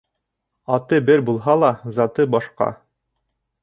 Аты бер булһа ла, заты башҡа.